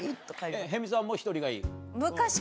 辺見さんも１人がいい？